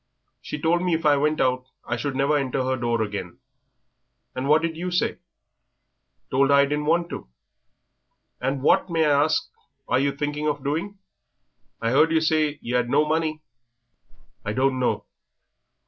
"She told me if I went out, I should never enter her door again." "And what did you say?" "Told her I didn't want to." "And what, may I ask, are yer thinking of doing? I 'eard yer say yer 'ad no money." "I don't know."